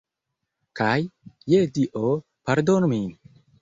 Kaj, je dio, pardonu min.